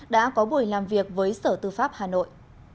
đã có buổi làm việc với sở tư pháp hà nội